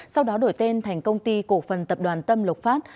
sau đó đổi tên thành công ty cổ phần tập đoàn tâm lộc phát